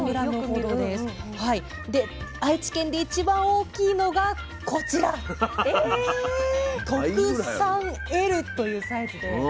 で愛知県で一番大きいのがこちら特３Ｌというサイズで。